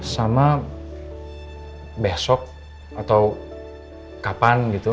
sama besok atau kapan gitu